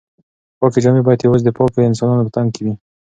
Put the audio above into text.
پاکې جامې باید یوازې د پاکو انسانانو په تن کې وي.